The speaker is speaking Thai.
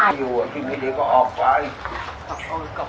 อันนี้คือที่สมบูรณ์มากที่สุด